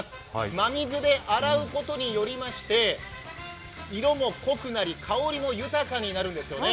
真水で洗うことによりまして、色も濃くなり、香りも豊かになるんですよね。